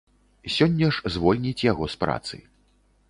Сёння ж звольніць яго з працы.